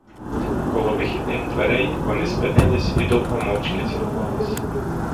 Коло вихідних дверей вони спинились і довго мовчки цілувались.